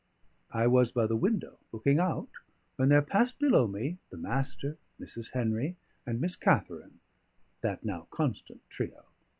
I was by the window, looking out, when there passed below me the Master, Mrs. Henry, and Miss Katharine, that now constant trio.